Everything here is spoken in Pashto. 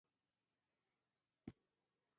الله جل جلاله انسان د خپل عبادت له پاره پیدا کړى دئ.